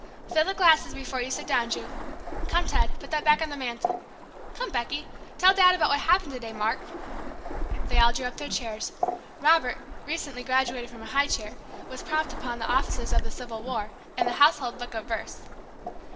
Fill the glasses before you sit down, Ju. Come, Ted put that back on the mantel. Come, Becky! Tell Daddy about what happened to day, Mark " They all drew up their chairs. Robert, recently graduated from a high chair, was propped upon "The Officers of the Civil War," and "The Household Book of Verse."